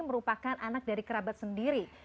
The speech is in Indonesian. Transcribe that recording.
merupakan anak dari kerabat sendiri